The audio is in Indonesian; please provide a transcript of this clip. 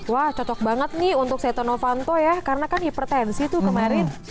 wah cocok banget nih untuk setonofanto ya karena kan hipertensi tuh kemarin